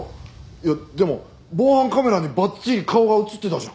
いやでも防犯カメラにばっちり顔が映ってたじゃん。